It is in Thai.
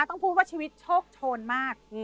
ต้องพูดว่าชีวิตโชคโชนมาก